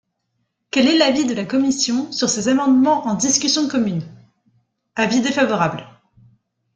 Quel est l’avis de la commission sur ces amendements en discussion commune ? Avis défavorable.